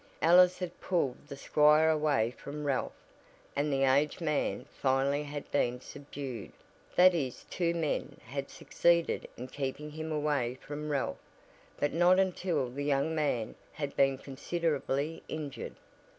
Alice had pulled the squire away from Ralph and the aged man finally had been subdued, that is two men had succeeded in keeping him away from Ralph, but not until the young man had been considerably injured.